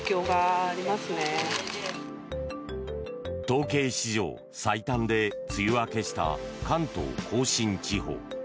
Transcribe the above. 統計史上最短で梅雨明けした関東・甲信地方。